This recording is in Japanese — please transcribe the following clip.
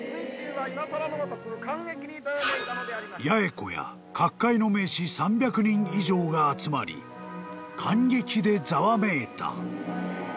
［八重子や各界の名士３００人以上が集まり感激でざわめいた］